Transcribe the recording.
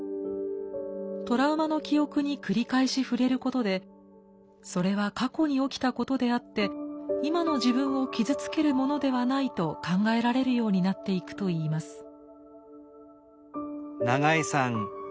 トラウマの記憶に繰り返し触れることでそれは過去に起きたことであって今の自分を傷つけるものではないと考えられるようになっていくといいます。